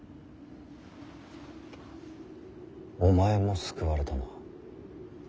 お前も救われたな。